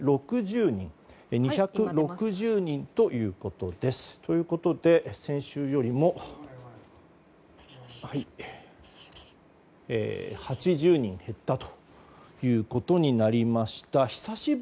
２６０人ということです。ということで先週よりも８０人減ったということになりました。